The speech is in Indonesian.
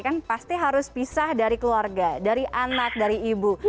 kan pasti harus pisah dari keluarga dari anak dari ibu